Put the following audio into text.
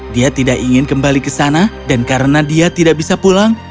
dia tidak ingin kembali ke sana dan karena dia tidak bisa pulang